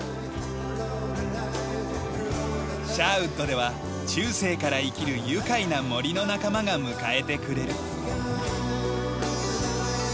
シャーウッドでは中世から生きる愉快な森の仲間が迎えてくれる。